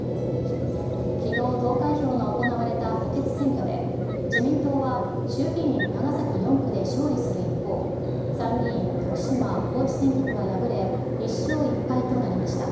きのう、投開票が行われた補欠選挙で、自民党は衆議院長崎４区で勝利する一方、参議院徳島・高知選挙区は敗れ、１勝１敗となりました。